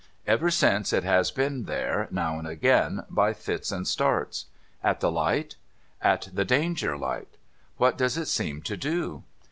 Ever since, it has been there, now and again, by fits and starts.' ' At the hght ?'• At the Danger Hght.' ' What does it seem to do